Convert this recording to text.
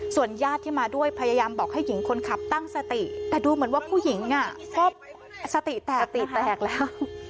ญาติที่มาด้วยพยายามบอกให้หญิงคนขับตั้งสติแต่ดูเหมือนว่าผู้หญิงก็สติแตกติแตกแล้ว